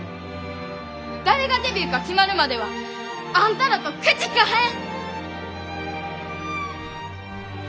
誰がデビューか決まるまではあんたらと口利かへん！